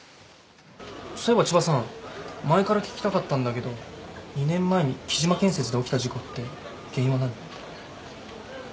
そういえば千葉さん前から聞きたかったんだけど２年前に喜嶋建設で起きた事故って原因は何？